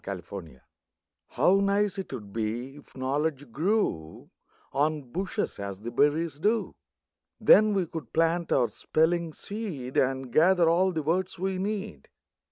EASY KNOWLEDGE How nice 'twould be if knowledge grew On bushes, as the berries do! Then we could plant our spelling seed, And gather all the words we need.